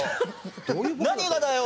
何がだよ！